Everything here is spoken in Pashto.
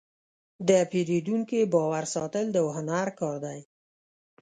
د پیرودونکي باور ساتل د هنر کار دی.